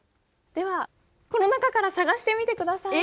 ではこの中から探してみて下さい。